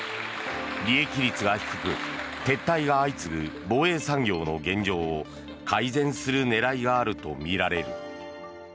利益率が低く撤退が相次ぐ防衛産業の現状を改善する狙いがあるとみられる。